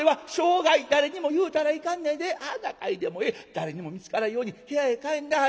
誰にも見つからんように部屋へ帰んなはれ。